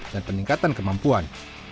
dan peningkatan kemampuan